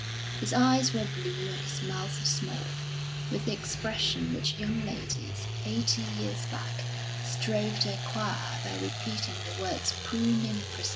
His eyes were blue and his mouth small, with the expression which young ladies, eighty years back, strove to acquire by repeating the words prune and prism.